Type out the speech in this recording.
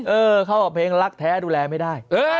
เออเข้ากับเพลงรักแท้ดูแลไม่ได้